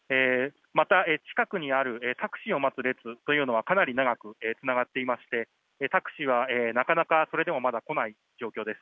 近くにあるタクシーを待つ列というのはかなり長くつながっていましてタクシーはなかなか来ない状況です。